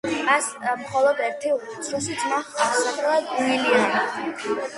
მას მხოლოდ ერთი უმცროსი ძმა ჰყავს, სახელად უილიამი.